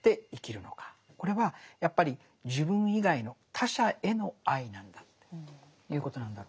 これはやっぱり自分以外の「他者への愛」なんだということなんだ。